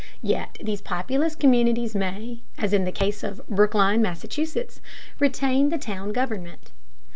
Yet these populous communities may, as in the case of Brookline, Massachusetts, retain the town government.